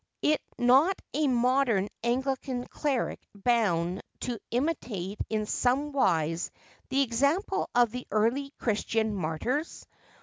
Is not a modern Anglican cleric bound to imitate in somewise the example of the early Christian martyrs